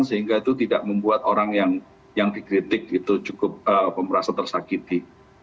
sehingga itu tidak membuat orang yang dikritik itu cukup merasa tersakiti